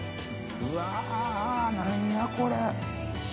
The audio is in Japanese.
うわ何やこれ。